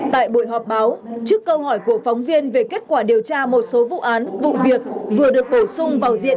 tại buổi họp báo trước câu hỏi của phóng viên về kết quả điều tra một số vụ án vụ việc vừa được bổ sung vào diện